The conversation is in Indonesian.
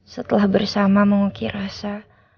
setelah bersama mengukir rasa